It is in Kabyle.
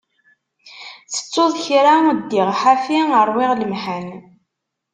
Tettuḍ kra ddiɣ ḥafi, ṛwiɣ lemḥan.